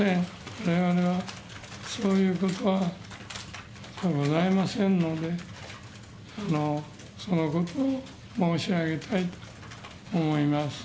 われわれはそういうことはございませんので、そのことを申し上げたいと思います。